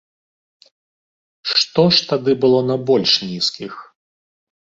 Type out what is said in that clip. Што ж тады было на больш нізкіх?